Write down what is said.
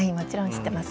知ってます？